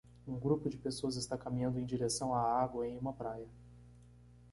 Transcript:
Um grupo de pessoas está caminhando em direção à água em uma praia